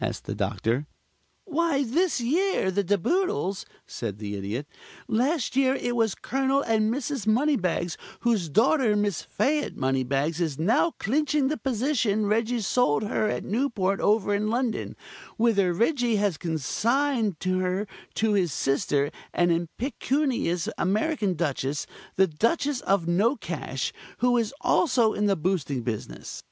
asked the Doctor. "Why this year, the De Boodles," said the Idiot. "Last year it was Colonel and Mrs. Moneybags, whose daughter, Miss Fayette Moneybags, is now clinching the position Reggie sold her at Newport over in London, whither Reggie has consigned her to his sister, an impecunious American Duchess the Duchess of Nocash who is also in the boosting business.